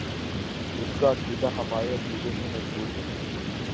اس کا عقیدہ ہمارے عقیدے سے مضبوط ہو